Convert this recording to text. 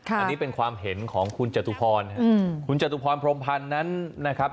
อันนี้เป็นความเห็นของคุณจตุพรคุณจตุพรพรมพันธ์นั้นนะครับ